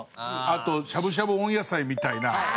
あとしゃぶしゃぶ温野菜みたいな。